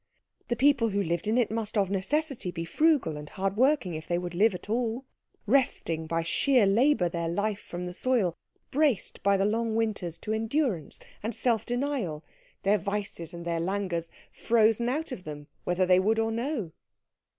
The people who lived in it must of necessity be frugal and hard working if they would live at all, wresting by sheer labour their life from the soil, braced by the long winters to endurance and self denial, their vices and their languors frozen out of them whether they would or no.